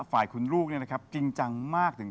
ฝ่ายคุณลูกเนี่ยนะครับจริงจังมากถึง